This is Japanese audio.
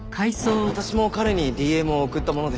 私も彼にＤＭを送った者でして。